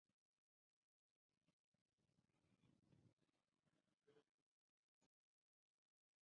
Con lo que finalmente terminó octavo en la tabla de posiciones.